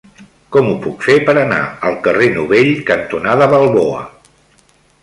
Com ho puc fer per anar al carrer Novell cantonada Balboa?